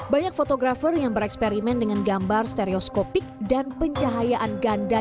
banyak fotografer yang bereksperimen dengan gambar stereoskopik dan pencahayaan ganda